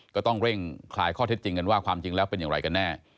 ก็ต้องเร่งคลายข้อเท็จจริงกันว่าความจริงแล้วเป็นอย่างไรกันแน่